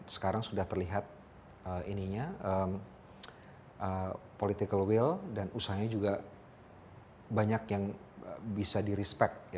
sekarang sudah terlihat political will dan usahanya juga banyak yang bisa di respect